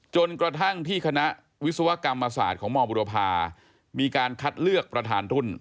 จนกระทั่งที่คณะวิศวกรรมศาสตร์ของมบุรพามีการคัดเลือกประธานรุ่น